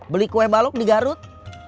beli kue balok di garut